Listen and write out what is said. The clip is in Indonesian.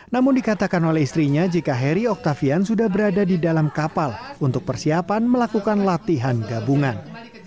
namun dikatakan oleh istrinya jika heri oktavian sudah berada di dalam kapal untuk persiapan melakukan latihan gabungan